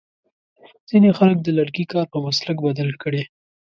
ځینې خلک د لرګي کار په مسلک بدل کړی.